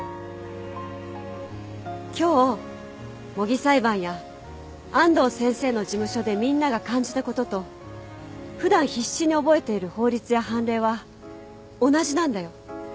今日模擬裁判や安藤先生の事務所でみんなが感じたことと普段必死に覚えている法律や判例は同じなんだよ。